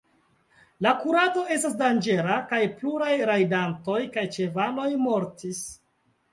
La kurado estas danĝera kaj pluraj rajdantoj kaj ĉevaloj mortis.